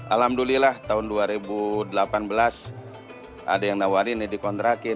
alhamdulillah tahun dua ribu delapan belas ada yang nawarin dikontrakin